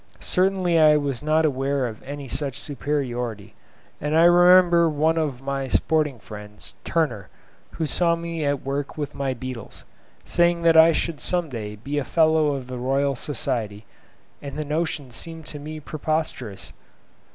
Certainly I was not aware of any such superiority, and I remember one of my sporting friends, Turner, who saw me at work with my beetles, saying that I should some day be a Fellow of the Royal Society, and the notion seemed to me preposterous.